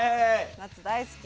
夏大好き！